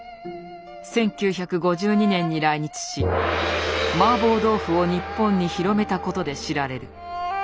１９５２年に来日しマーボー豆腐を日本に広めたことで知られる。